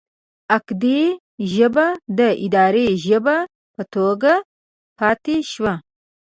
اکدي ژبه د اداري ژبې په توګه پاتې شوه.